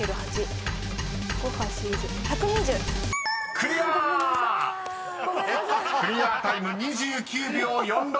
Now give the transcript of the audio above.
［クリアタイム２９秒４６］